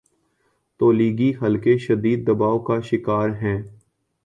تولیگی حلقے شدید دباؤ کا شکارہیں۔